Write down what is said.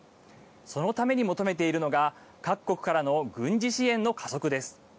そのために求めているのが各国からの軍事支援の加速です。